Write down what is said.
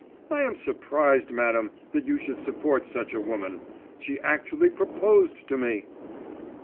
"I am surprised, madam, that you should support such a woman. She actually proposed to me."